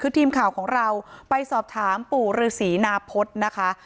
คือทีมข่าวของเราไปสอบถามปู่ฤษีนาพฤษนะคะ